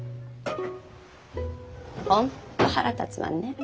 本当腹立つわね。